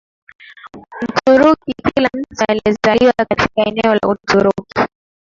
Mturuki kila mtu aliyezaliwa katika eneo la Uturuki